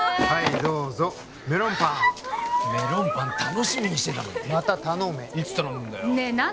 はいどうぞメロンパンメロンパン楽しみにしてたのにまた頼めいつ頼むんだよねえ